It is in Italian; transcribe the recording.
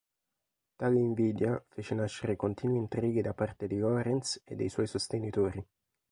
Tale invidia fece nascere continui intrighi da parte di Lorenz e dei suoi sostenitori.